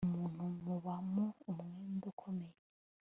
umuntu mubamo umwenda ukomeye